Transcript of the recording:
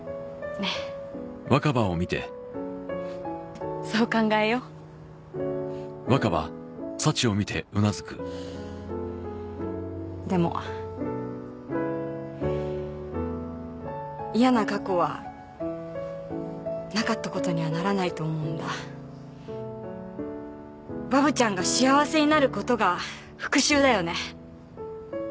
ねっそう考えようでも嫌な過去はなかったことにはならないわぶちゃんが幸せになることが復讐だよね